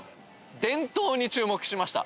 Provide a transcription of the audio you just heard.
電灯に注目しました。